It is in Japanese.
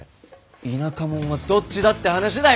田舎モンはどっちだって話だい！